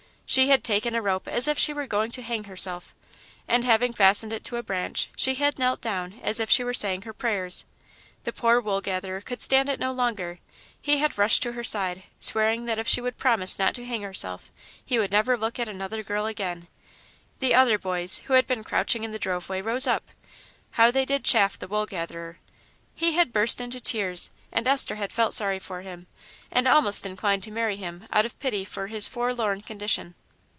She had taken a rope as if she were going to hang herself, and having fastened it to a branch, she had knelt down as if she were saying her prayers. The poor Wool gatherer could stand it no longer; he had rushed to her side, swearing that if she would promise not to hang herself he would never look at another girl again. The other boys, who had been crouching in the drove way, rose up. How they did chaff the Wool gatherer! He had burst into tears and Esther had felt sorry for him, and almost inclined to marry him out of pity for his forlorn condition.